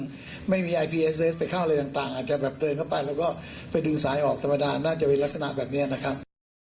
คืออาจจะไม่มีความรู้เรื่องไม่มีไปเข้าอะไรต่างต่างอาจจะแบบเติมเข้าไปแล้วก็ไปดึงสายออกธรรมดานน่าจะเป็นลักษณะแบบเนี้ยนะครับ